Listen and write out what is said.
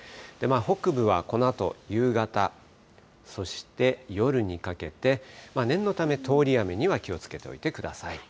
北部はこのあと夕方、そして夜にかけて、念のため、通り雨には気をつけておいてください。